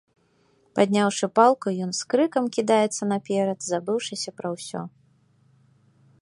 Падняўшы палку, ён з крыкам кідаецца наперад, забыўшыся пра ўсё.